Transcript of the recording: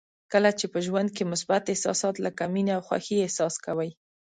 کله چې په ژوند کې مثبت احساسات لکه مینه او خوښي احساس کوئ.